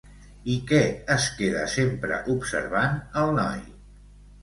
I què es queda sempre observant el noi?